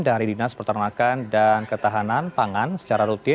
dari dinas peternakan dan ketahanan pangan secara rutin